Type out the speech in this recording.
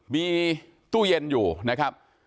มีตู้เย็นอยู่นะครับ